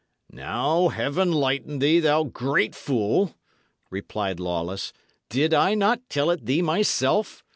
"Now, Heaven lighten thee, thou great fool," replied Lawless. "Did I not tell it thee myself?